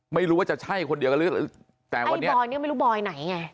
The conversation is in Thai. ไม่รู้ว่าจะใช่คนเดียวกันหรือแต่วันนี้บอยเนี่ยไม่รู้บอยไหนไง